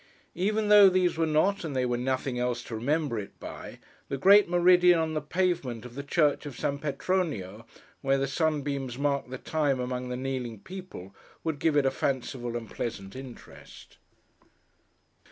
Even though these were not, and there were nothing else to remember it by, the great Meridian on the pavement of the church of San Petronio, where the sunbeams mark the time among the kneeling people, would give it a fanciful and pleasant interest.